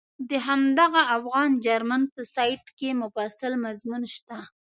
د همدغه افغان جرمن په سایټ کې مفصل مضمون شته.